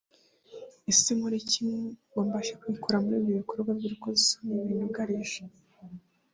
Ese nkore iki ngo mbashe kwikura muri ibyo bikorwa by’urukozasoni binyugarije